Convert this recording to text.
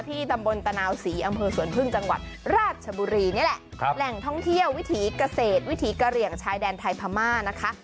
ตำบลตะนาวศรีอำเภอสวนพึ่งจังหวัดราชบุรีนี่แหละแหล่งท่องเที่ยววิถีเกษตรวิถีกะเหลี่ยงชายแดนไทยพม่านะคะ